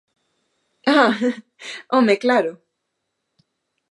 ¡Ah, home, claro!